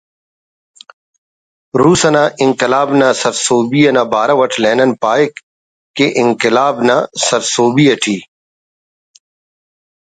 روس انا انقلاب نا سرسہبی نا بارو اٹ لینن پاہک کہ انقلاب نا سرسہبی ٹی